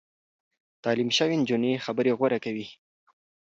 تعليم شوې نجونې خبرې غوره کوي.